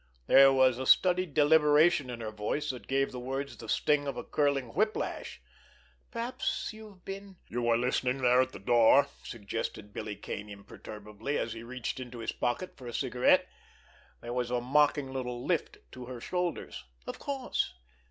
There was a studied deliberation in her voice that gave the words the sting of a curling whip lash. "Perhaps you've been——" "You were listening there at the door?" suggested Billy Kane imperturbably, as he reached into his pocket for a cigarette. There was a mocking little lift to her shoulders. "Of course!